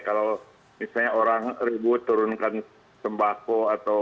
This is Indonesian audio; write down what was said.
kalau misalnya orang ribut turunkan sembako atau